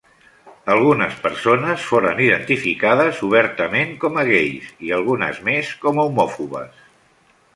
Algunes persones foren identificades obertament com a gais, i algunes més com a homòfobes.